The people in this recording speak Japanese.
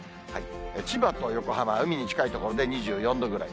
千葉と横浜は海に近い所で２４度ぐらい。